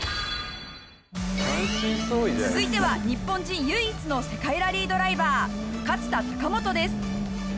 続いては日本人唯一の世界ラリードライバー勝田貴元です